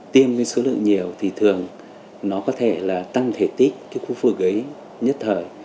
tiêm với số lượng nhiều thì thường nó có thể là tăng thể tích cái khu vực ấy nhất thời